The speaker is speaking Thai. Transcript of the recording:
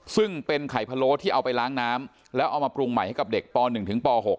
ซึ่งเป็นไข่พะโล้ที่เอาไปล้างน้ำแล้วเอามาปรุงใหม่ให้กับเด็กป๑ถึงป๖